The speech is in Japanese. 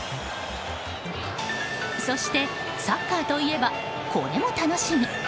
そして、サッカーといえばこれも楽しみ。